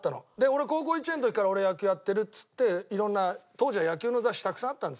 俺高校１年の時から野球やってるっつって色んな当時は野球の雑誌たくさんあったんですよ